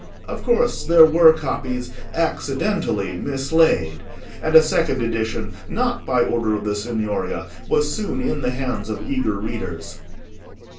Of course there were copies accidentally mislaid, and a second edition, not by order of the Signoria, was soon in the hands of eager readers.